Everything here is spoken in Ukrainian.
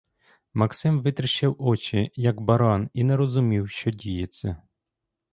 Максим витріщив очі, як баран, і не розумів, що діється.